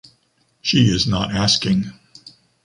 She is not asking.